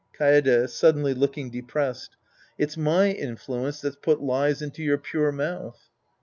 Kaede {suddenly looking depressed). It's my in fluence that's put lies into your pure mouth.